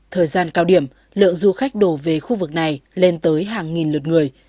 thời gian cao điểm lượng du khách đổ về khu vực này lên tới hàng nghìn lượt người